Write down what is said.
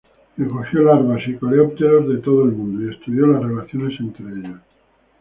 Recogió larvas y coleópteros de todo el mundo y estudió las relaciones entre ellos.